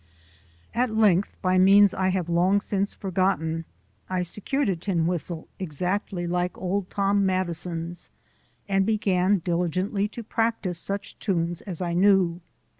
At length, by means I have long since forgotten, I secured a tin whistle exactly like Old Tom Madison's and began diligently to practise such tunes as I knew.